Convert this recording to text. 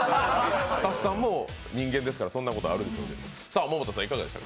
スタッフさんも人間ですからそんなことあるでしょう。